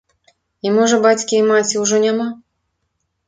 І можа бацькі і маці ўжо няма.